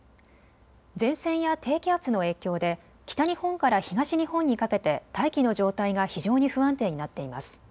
前線や低気圧の影響で北日本から東日本にかけて大気の状態が非常に不安定になっています。